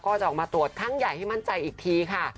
ก็จะออกมาตรวจครั้งใหญ่ให้มั่นใจอีกทีค่ะ